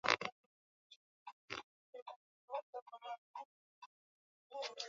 mara kwa mara yametishia kuishambulia uganda kwa sababu ya kupeleka majeshi yake huko somalia